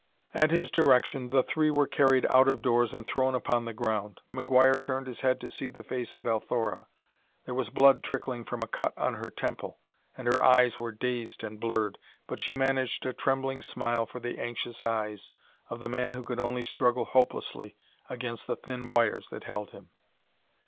At his direction the three were carried out of doors and thrown upon the ground. McGuire turned his head to see the face of Althora. There was blood trickling from a cut on her temple, and her eyes were dazed and blurred, but she managed a trembling smile for the anxious eyes of the man who could only struggle hopelessly against the thin wires that held him.